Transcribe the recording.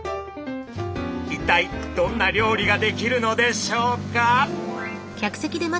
一体どんな料理が出来るのでしょうか？